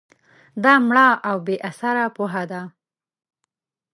دا مړه او بې اثره پوهه ده